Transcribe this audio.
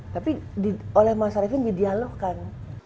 tapi oleh masyarakat didialogkan